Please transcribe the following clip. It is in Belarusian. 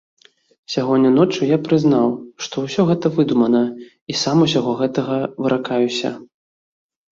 Сягоння ноччу я прызнаў, што ўсё гэта выдумана, і сам усяго гэтага выракаюся.